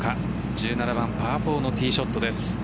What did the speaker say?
１７番パー４のティーショットです。